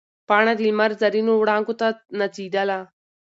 پاڼه د لمر زرینو وړانګو ته نڅېدله.